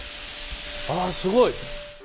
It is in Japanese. あすごい。